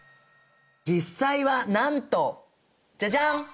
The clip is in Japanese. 実際はなんとジャジャン！